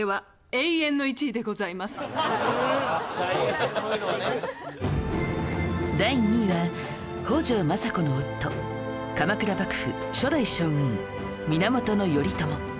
しかし第２位は北条政子の夫鎌倉幕府初代将軍源頼朝